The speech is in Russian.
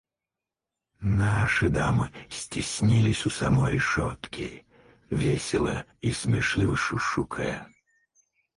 Наши дамы стеснились у самой решетки, весело и смешливо шушукая.